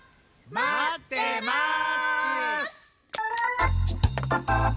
まってますっち！